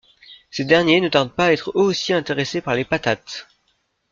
Ces derniers ne tardent pas à être eux aussi intéressés par les patates.